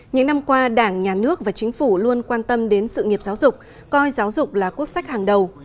những năm qua đảng nhà nước và chính phủ luôn quan tâm đến sự nghiệp giáo dục coi giáo dục là quốc sách hàng đầu